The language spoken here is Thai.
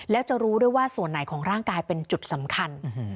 แล้วจะรู้ด้วยว่าส่วนไหนของร่างกายเป็นจุดสำคัญ